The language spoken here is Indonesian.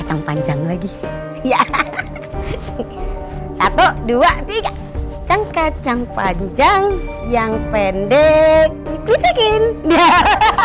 yang panjang lagi ya hahaha satu ratus dua puluh tiga cangkacang panjang yang pendek diklicakin ya hahaha